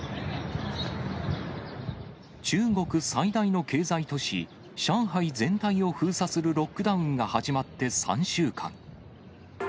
中国最大の経済都市、上海全体を封鎖するロックダウンが始まって３週間。